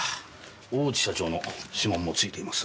大内社長の指紋も付いています。